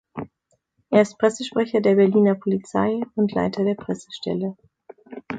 Er ist Pressesprecher der Berliner Polizei und Leiter der Pressestelle.